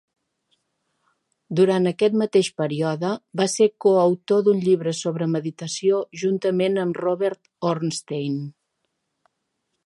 Durant aquest mateix període, va ser coautor d'un llibre sobre meditació juntament amb Robert Ornstein.